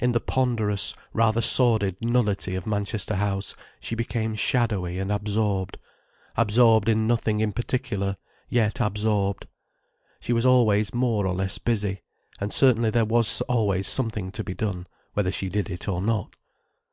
In the ponderous, rather sordid nullity of Manchester House she became shadowy and absorbed, absorbed in nothing in particular, yet absorbed. She was always more or less busy: and certainly there was always something to be done, whether she did it or not.